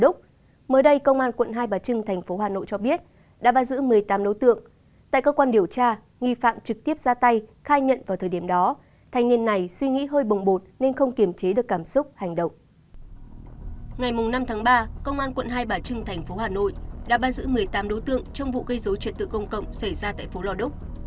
công an quận hai bà trưng thành phố hà nội đã ban giữ một mươi tám đối tượng trong vụ gây dấu trật tự công cộng xảy ra tại phố lò đúc